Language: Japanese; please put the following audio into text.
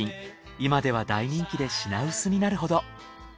今では大人気で品薄になるほど。